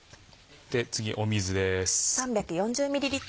次水です。